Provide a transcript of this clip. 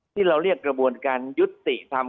ที่เราเรียกกระบวนการยุติธรรม